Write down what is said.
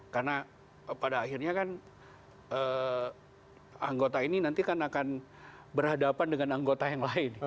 karena pada akhirnya kan anggota ini nanti akan berhadapan dengan anggota yang lain